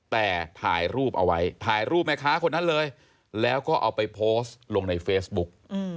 แต่ถ่ายรูปเอาไว้ถ่ายรูปแม่ค้าคนนั้นเลยแล้วก็เอาไปโพสต์ลงในเฟซบุ๊ก